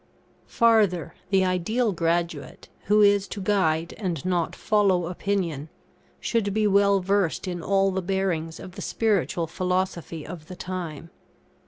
] Farther, the ideal graduate, who is to guide and not follow opinion, should be well versed in all the bearings of the Spiritual Philosophy of the time.